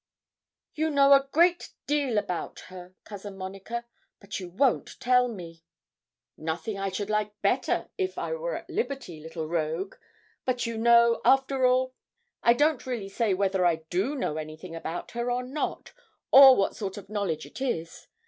'You know a great deal about her, Cousin Monica, but you won't tell me.' 'Nothing I should like better, if I were at liberty, little rogue; but you know, after all, I don't really say whether I do know anything about her or not, or what sort of knowledge it is.